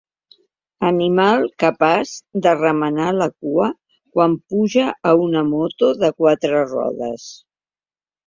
Animal capaç de remenar la cua quan puja a una moto de quatre rodes.